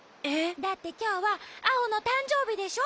だってきょうはアオのたんじょうびでしょ？